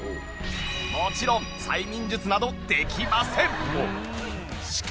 もちろん催眠術などできません